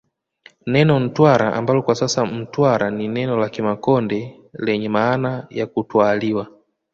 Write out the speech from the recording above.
Neno Ntwara ambalo kwa sasa Mtwara ni neno la Kimakonde lenye maana ya kutwaaliwa